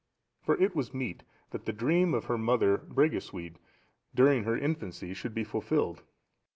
For it was meet that the dream of her mother, Bregusuid, during her infancy, should be fulfilled.